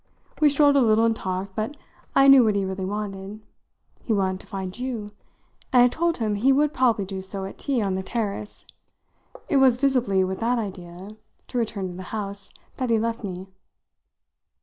We strolled a little and talked, but I knew what he really wanted. He wanted to find you, and I told him he would probably do so at tea on the terrace. It was visibly with that idea to return to the house that he left me."